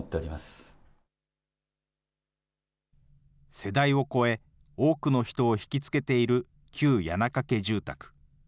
世代を超え、多くの人を引き付けている旧矢中家住宅。